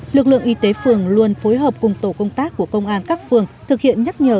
lực lượng y tế phường luôn phối hợp cùng tổ công tác của công an các phường thực hiện nhắc nhở